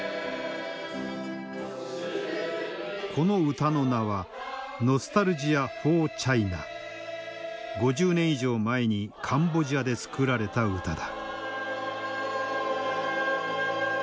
この歌の名は５０年以上前にカンボジアで作られた歌だ。